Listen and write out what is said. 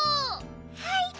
はい。